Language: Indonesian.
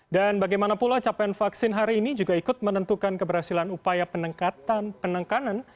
dan bagaimana pula capaian vaksin hari ini juga ikut menentukan keberhasilan upaya penengkatan penengkanan